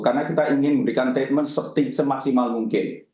karena kita ingin memberikan treatment semaksimal mungkin